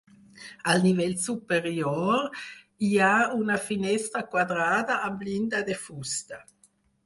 Al nivell superior hi ha una finestra quadrada amb llinda de fusta.